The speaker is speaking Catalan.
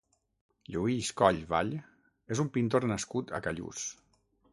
Lluis Coll Vall és un pintor nascut a Callús.